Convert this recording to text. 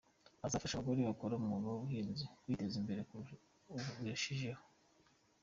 Azafasha abagore bakora umwuga w’ubuhinzi kwiteza imbere birushijeho.